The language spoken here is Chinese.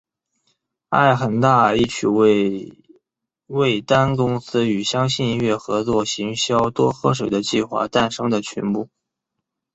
爱很大一曲为味丹公司与相信音乐合作行销多喝水的计划下诞生的曲目。